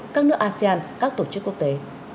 các nước asean các tổ chức quốc tế